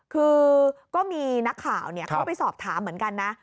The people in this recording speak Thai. คือก็มีนักข่าวเขาไปสอบถามเหมือนกันนะ